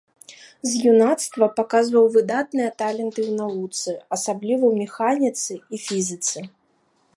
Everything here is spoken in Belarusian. З юнацтва паказаў выдатныя таленты ў навуцы, асабліва ў механіцы і фізіцы.